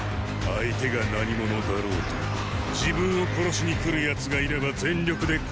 相手が何者だろうと自分を殺しにくる奴がいれば全力でこれと戦い